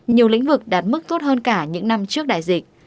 nhiều lĩnh vực đạt mức tốt hơn cả những năm trước đại dịch